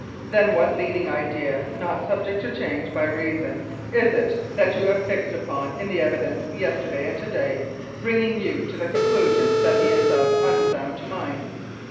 Then what leading idea not subject to change by reason is it that you have fixed upon in the evidence yester day and to day bringing you to the conclusion that he is of unsound mind?